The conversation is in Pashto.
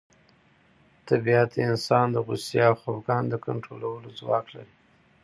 طبیعت د انسان د غوسې او خپګان د کنټرولولو ځواک لري.